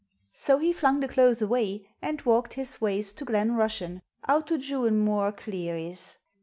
So he flung the clothes away and walked his ways to Glen Rushen, out to Juan Mooar Cleary's.